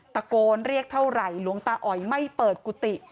ตะโกนเรียกเท่าไหร่หลวงตาอ๋อยไม่เปิดกุฏิ